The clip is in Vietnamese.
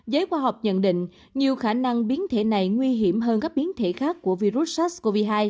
giới khoa học nhận định nhiều khả năng biến thể này nguy hiểm hơn các biến thể khác của virus sars cov hai